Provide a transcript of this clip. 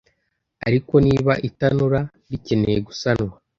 ariko niba itanura rikeneye gusanwa